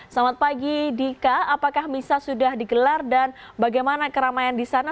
selamat pagi dika apakah misah sudah digelar dan bagaimana keramaian di sana